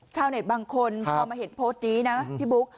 ชาวเน็ตบางคนพอมาเห็นโพสต์นี้นะพี่บุ๊ก